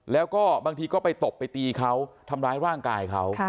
แล้วก็บางทีก็ไปตบไปตีเขาทำร้ายร่างกายเขา